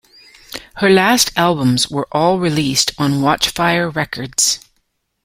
Her last albums were all released on Watchfire Records.